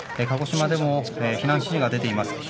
鹿児島でも避難指示が出ています。